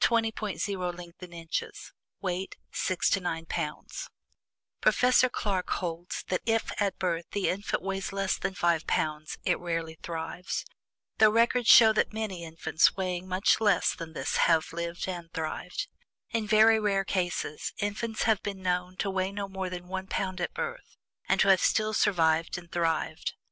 0 6 to 9 pounds Professor Clark holds that if at birth the infant weighs less than 5 pounds, it rarely thrives, though the records show that many infants weighing much less than this have lived and thrived. In very rare cases, infants have been known to weigh no more than one pound at birth, and to have still survived and thrived.